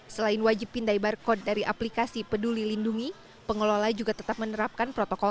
selain wajib pindai barcode dari aplikasi peduli lindungi pengelola juga tetap menerapkan protokol